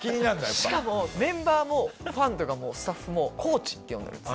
しかもメンバーもファンとかスタッフも地って呼んでるんです。